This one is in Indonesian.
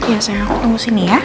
ya sayang aku tunggu di sini ya